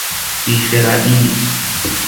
بی خردی